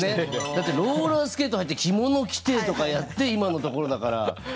だってローラースケート履いて着物着てとかやって今のところだから。